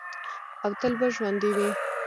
او تل به ژوندی وي.